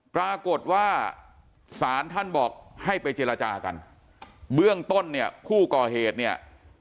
ปรากฏว่าศาลท่านบอกให้ไปเจรจากันเบื้องต้นเนี่ยผู้ก่อเหตุเนี่ย